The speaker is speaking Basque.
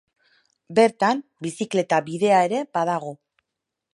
Bertan, bizikleta bidea ere badago.